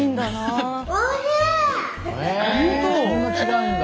そんな違うんだ。